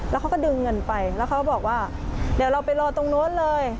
แล้วเขาก็ดึงเงินไปแล้วเขาก็บอกว่าเดี๋ยวเราไปรอตรงโน้นเลย